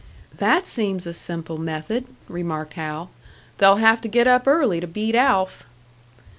"That seems a simple method," remarked Hal. "They'll have to get up early to beat Alf."